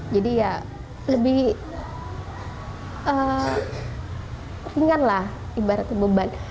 jadi ya lebih ringan lah ibaratnya beban